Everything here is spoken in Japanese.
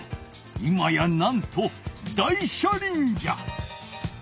今やなんと大車輪じゃ！